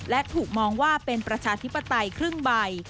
และถูกมองว่าเป็นประชาธิปไตยครึ่งใบ